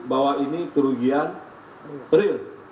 bahwa ini kerugian prin